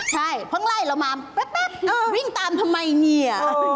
ใช่เพิ่งไล่เรามาแป๊บวิ่งตามทำไมเนี่ย